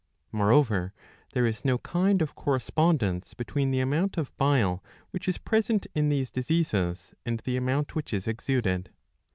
^^ Moreover there is no kind of correspondence between the amount of bile which is ' present in these diseases and the amount which is exuded.'